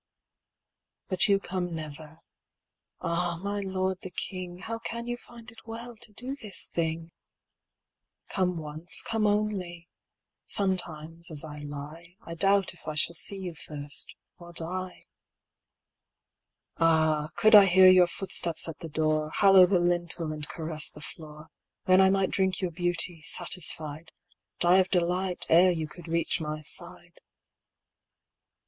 But you come never. Ah, my Lord the King, How can you find it well to do this thing? Come once, come only: sometimes, as I lie, I doubt if I shall see you first, or die. Ah, could I hear your footsteps at the door Hallow the lintel and caress the floor, Then I might drink your beauty, satisfied, Die of delight, ere you could reach my side.